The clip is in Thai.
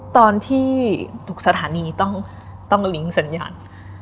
ตอนที่ทุกสถานีต้องลิงก์สัญญาณ